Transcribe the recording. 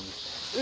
え！